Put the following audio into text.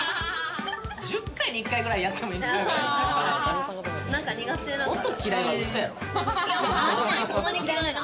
１０回に１回くらいやってもいいんじゃないの？